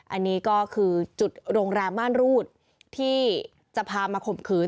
อันนี้ก็คือจุดโรงแรมม่านรูดที่จะพามาข่มขืน